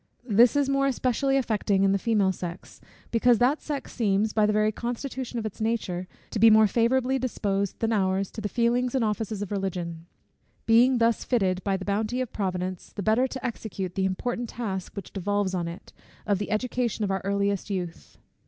This is more especially affecting in the female sex, because that sex seems, by the very constitution of its nature, to be more favourably disposed than ours to the feelings and offices of Religion; being thus fitted by the bounty of Providence, the better to execute the important task which devolves on it, of the education of our earliest youth.